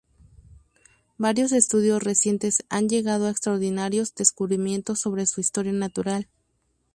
Varios estudios recientes han llegado a extraordinarios descubrimientos sobre su historia natural.